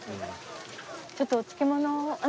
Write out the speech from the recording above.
ちょっとお漬物を。